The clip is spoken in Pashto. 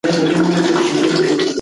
ایا پښتانه مشران په هغه وخت کې متحد وو؟